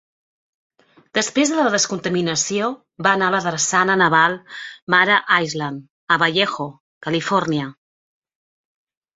Després de la descontaminació, va anar a la drassana naval Mare Island a Vallejo, Califòrnia.